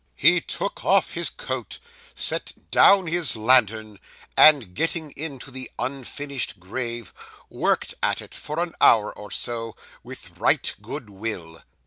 'He took off his coat, set down his lantern, and getting into the unfinished grave, worked at it for an hour or so with right good will.